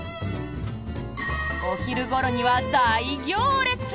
お昼ごろには、大行列！